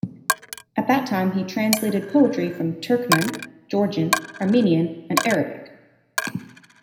At that time he translated poetry from Turkmen, Georgian, Armenian and Arabic.